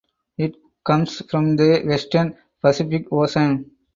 It comes from the western Pacific Ocean.